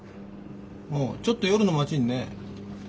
ああちょっと夜の街にね。